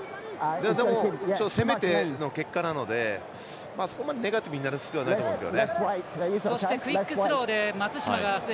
でも、攻めての結果なのでそんなにネガティブになる必要はないと思います。